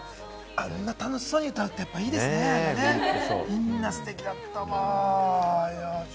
あんな楽しそうに歌うって、やっぱいいですね、みんなステキだったわ。